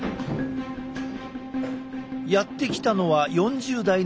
やって来たのは４０代の男性。